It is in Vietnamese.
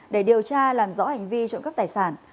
để điều tra làm rõ hành vi trộm cắp tài sản